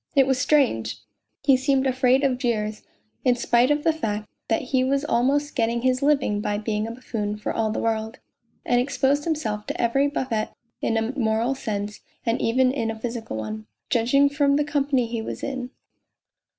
It was strange ! He seemed afraid of jeers, in spite of the fact that he was almost getting his living by being a buffoon for all the world, and exposed himself to every buffet in a moral sense and even in a physical one, judging from the company he was in.